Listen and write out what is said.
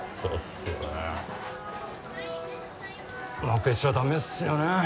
負けちゃだめっすよね